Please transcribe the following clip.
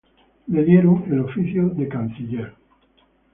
Le dieron el oficio de canciller.